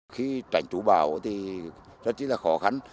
khi tránh chú bão thì rất là khó khăn